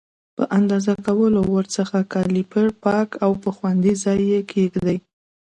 د اندازه کولو وروسته کالیپر پاک او په خوندي ځای کې کېږدئ.